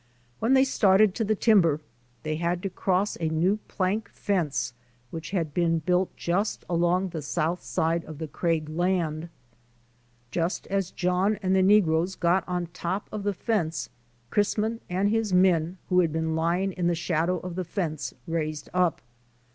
When they started to the timber they had to cross a new plank fence which had been built just along the south side of the Craig land. Just as John and the negroes got on top of the fence Chrisman and his men, who had been lying in the shadow of the fence, raised up. Vol.